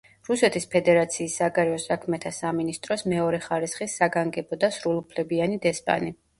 რუსეთის ფედერაციის საგარეო საქმეთა სამინისტროს მეორე ხარისხის საგანგებო და სრულუფლებიანი დესპანი.